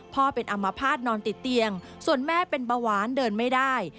เป็นอัมพาตนอนติดเตียงส่วนแม่เป็นเบาหวานเดินไม่ได้